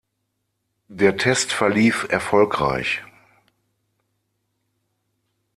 Der Test verlief erfolgreich.